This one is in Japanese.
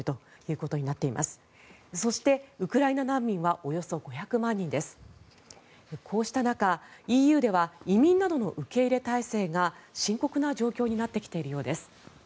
こうした中、ＥＵでは移民などの受け入れ態勢が深刻な状況になってきているようです。